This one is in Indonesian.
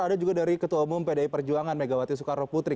ini juga dari ketua umum pdi perjuangan megawati soekarnoputri